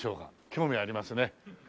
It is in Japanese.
興味ありますね。